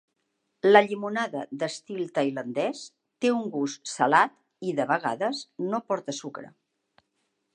La llimonada d'estil tailandès té un gust salat i, de vegades, no porta sucre.